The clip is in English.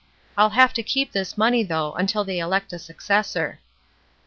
I'll have to keep this money, though, until they elect a successor.''